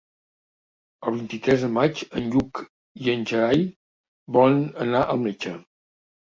El vint-i-tres de maig en Lluc i en Gerai volen anar al metge.